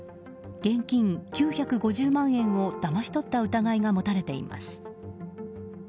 現金９５０万円をだまし取った疑いが持たれています。